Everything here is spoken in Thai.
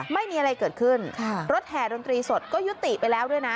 ไม่มีอะไรเกิดขึ้นรถแห่ดนตรีสดก็ยุติไปแล้วด้วยนะ